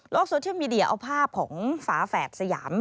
โซเชียลมีเดียเอาภาพของฝาแฝดสยาม